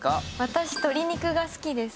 私鶏肉が好きです。